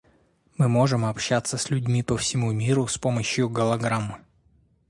Мы можем общаться с людьми по всему миру с помощью голограмм.